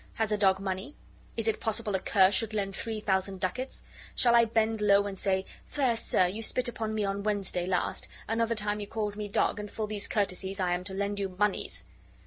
Has a dog money? Is it possible a cur should lend three thousand ducats? Shall I bend low and say, 'Fair sir, you spit upon me on Wednesday last; another time you called me dog, and for these courtesies I am to lend you moneys."